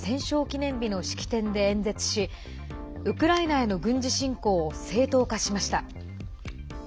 記念日の式典で演説しウクライナへの軍事侵攻を正当化しました。